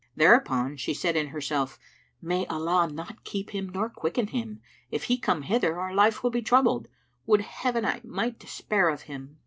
Thereupon she said in herself, "May Allah not keep him nor quicken him! If he come hither, our life will be troubled: would Heaven I might despair of him!"